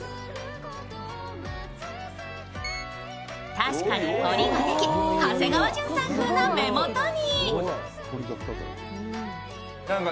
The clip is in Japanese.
確かに彫りができ長谷川潤さん風な目元に。